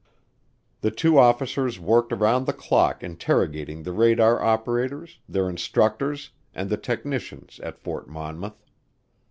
The two officers worked around the clock interrogating the radar operators, their instructors, and the technicians at Fort Monmouth.